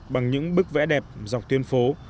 bằng những bức vẽ đẹp dọc tuyến phố